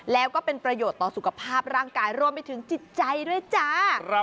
แล้วก็เป็นประโยชน์ต่อสุขภาพร่างกายรวมไปถึงจิตใจด้วยจ้า